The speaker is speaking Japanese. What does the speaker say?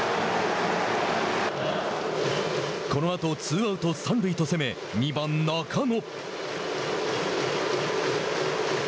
このあとツーアウト、三塁と攻め２番、中野。